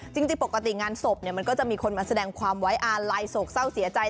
จริงปกติงานศพมันก็จะมีคนมาแสดงความไว้อาลัยโศกเศร้าเสียใจ